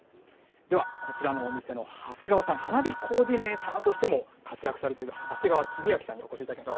では、こちらのお店の長谷川さん、花火コーディネーターとしても、活躍されている長谷川公章さんにお越しいただきました。